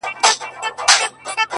• په يبلو پښو روان سو،